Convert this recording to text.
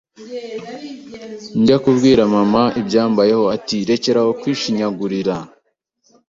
Njya kubwira mama ibyambayeho ati rekeraho wikwishinyagurira,